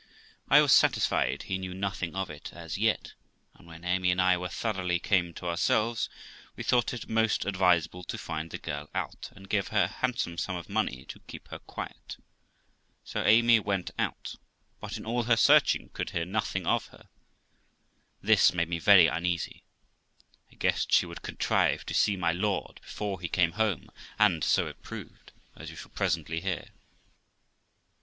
I was satisfied he knew nothing of it, as yet, and when Amy and I were thoroughly come to ourselves, we thought it most advisable to find the girl out, and give her a handsome sum of money to keep her quiet. So Amy went out, but in all her searching could hear nothing of her; this made me very uneasy. I guessed she would contrive to see my lord before he came home, and so it proved, as you shall presently hear.